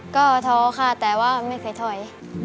ก็ท้อค่ะแต่ว่าไม่เคยถอย